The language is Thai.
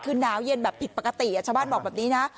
คือหนาวเย็นแบบผิดปกติชาวบ้านบอกแบบนี้นะ